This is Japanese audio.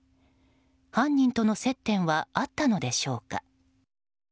犯人との接点はあったのでしょうか。